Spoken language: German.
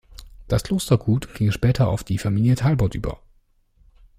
Das Klostergut ging später auf die Familie Talbot über.